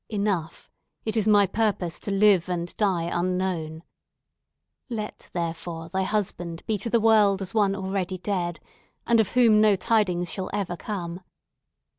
Enough, it is my purpose to live and die unknown. Let, therefore, thy husband be to the world as one already dead, and of whom no tidings shall ever come.